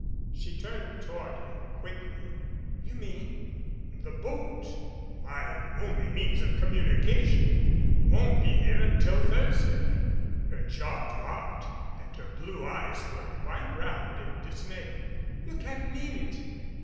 She turned toward him quickly. "You mean " "The boat my only means of communication, won't be here until Thursday." 35 MADCAP Her jaw dropped and her blue eyes were quite round in dismay. "You can't mean it